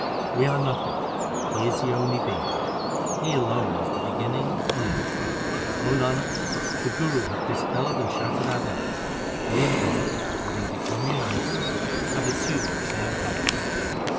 We are nothing, He is the only Being : He alone is the beginning and end. O Nanak, the Guru hath dispelled and shattered our doubts. We and God, having become united, have assumed the same colour.